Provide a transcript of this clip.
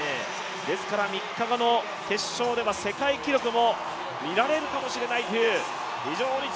ですから３日後の決勝では世界記録も見られるかもしれないという